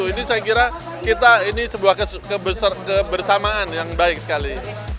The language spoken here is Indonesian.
ini saya kira kita ini sebuah kebersamaan yang baik sekali